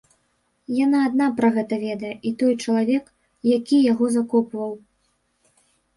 Яна адна пра гэта ведае і той чалавек, які яго закопваў.